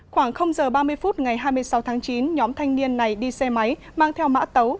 khoảng giờ ba mươi phút ngày hai mươi sáu tháng chín nhóm thanh niên này đi xe máy mang theo mã tấu